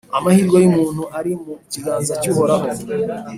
Amahirwe y’umuntu ari mu kiganza cy’Uhoraho,